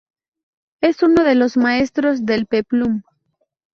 Es uno de los maestros del peplum.